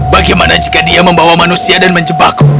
bagaimana jika dia membawa manusia dan menjebak